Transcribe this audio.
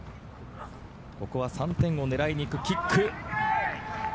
ここは３点を狙いに行くキック。